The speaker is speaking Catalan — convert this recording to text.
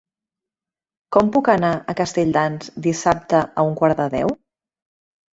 Com puc anar a Castelldans dissabte a un quart de deu?